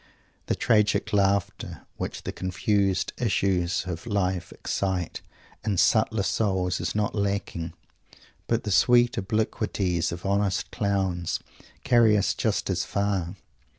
The tragic laughter which the confused issues of life excite in subtler souls is not lacking, but the sweet obliquities of honest clowns carry us just as far.